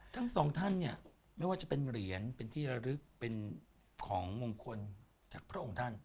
ทั้งสองท่านเนี่ยไม่ว่าจะเป็นเหรียญเป็นที่ระลึกเป็นของมงคลจากพระองค์ท่าน